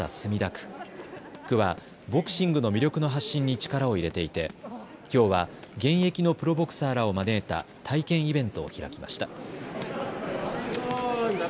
区はボクシングの魅力の発信に力を入れていて、きょうは現役のプロボクサーらを招いた体験イベントを開きました。